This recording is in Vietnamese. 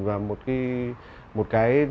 và một cái